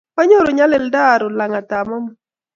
Kwanyoru nyalilda aru langat ab amut